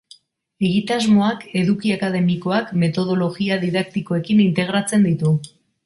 Egitasmoak eduki akademikoak metodologia didaktikoekin integratzen ditu.